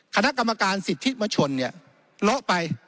คณะกรรมการสิทธิประชนละไป